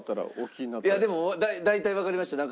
いやでも大体わかりました。